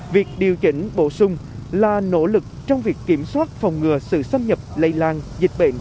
việc điều chỉnh bổ sung là nỗ lực trong việc kiểm soát phòng ngừa sự xâm nhập lây lan dịch bệnh